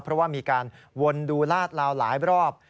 เพราะว่ามีการวนดูลาดลาวหลายรอบ